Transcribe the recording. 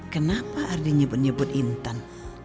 kenapa ardi nyebut nyebut intan